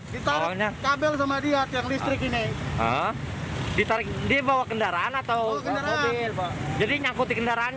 kita kabel sama dia yang listrik ini